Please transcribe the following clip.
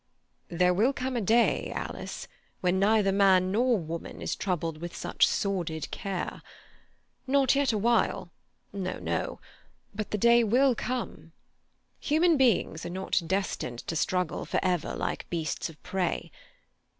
"There will come a day, Alice, when neither man nor woman is troubled with such sordid care. Not yet awhile; no, no; but the day will come. Human beings are not destined to struggle for ever like beasts of prey.